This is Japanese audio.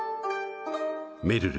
めるる